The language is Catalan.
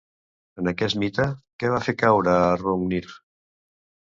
En aquest mite, què va fer caure a Hrungnir?